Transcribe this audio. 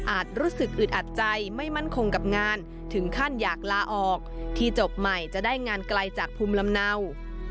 รู้สึกอึดอัดใจไม่มั่นคงกับงานถึงขั้นอยากลาออกที่จบใหม่จะได้งานไกลจากภูมิลำเนา